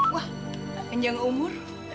wah panjang umur